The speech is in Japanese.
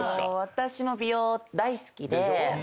私も美容大好きで。